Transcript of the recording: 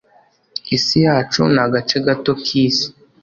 Isi yacu ni agace gato k'isi.